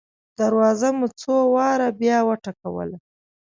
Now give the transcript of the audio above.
دروازه مو څو واره بیا وټکوله.